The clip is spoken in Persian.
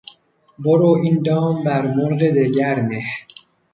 برو این دام بر مرغ دگر نه